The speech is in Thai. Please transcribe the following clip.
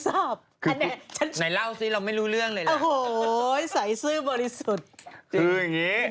ไหนไหนเล่าสิเราไม่รู้เรื่องเลยนะโอ้โหใส่ซื่อบริสุทธิ์คืออย่างนี้